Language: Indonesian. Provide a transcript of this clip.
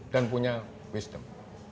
dan punya wisdom